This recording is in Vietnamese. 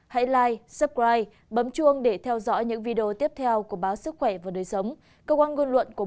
hãy like subscribe bấm chuông để theo dõi những video tiếp theo của báo sức khỏe và đời sống